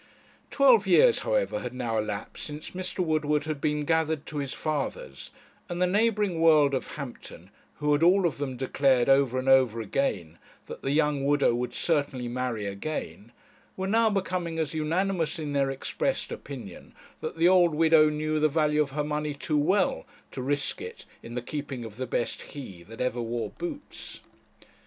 Twelve years, however, had now elapsed since Mr. Woodward had been gathered to his fathers, and the neighbouring world of Hampton, who had all of them declared over and over again that the young widow would certainly marry again, were now becoming as unanimous in their expressed opinion that the old widow knew the value of her money too well to risk it in the keeping of the best he that ever wore boots.